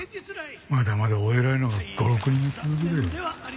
まだまだお偉いのが５６人続くで。